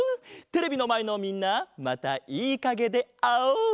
テレビのまえのみんなまたいいかげであおう！